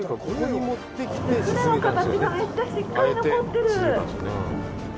船の形がめっちゃしっかり残ってる。